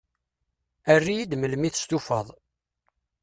Err-iyi-d melmi testufaḍ.